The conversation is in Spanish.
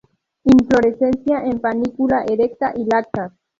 Inflorescencia en panícula erecta y laxa.